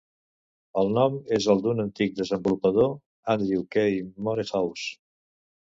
El nom és el d'un antic desenvolupador, Andrew K. Morehouse.